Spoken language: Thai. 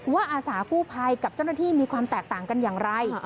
อาสากู้ภัยกับเจ้าหน้าที่มีความแตกต่างกันอย่างไร